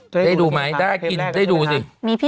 จะได้ดูไหมได้ดูสิ